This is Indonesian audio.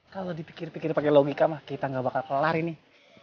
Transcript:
kalau dipikir pikir pake logika mah kita ga bakal kelarin nih